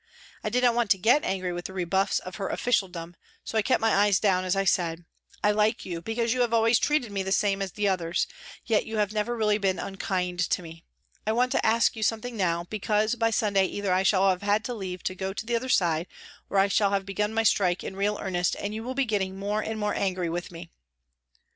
I did not want to get angry with the rebuffs of her officialdom, so I kept my eyes down as I said :" I like you because you have always treated me the same as the others, yet you have never really been unkind to me. I want to ask you something now, because by Sunday either I shall have had leave to go to the other side or I shall have begun my strike in real earnest and you will be getting more and more angry with me."